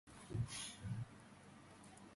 სარკმელსა და ჩრდილოეთ ნიშს შორის მცირე თახჩაა.